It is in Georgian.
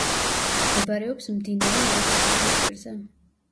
მდებარეობს მდინარე ალგეთის ნაპირზე.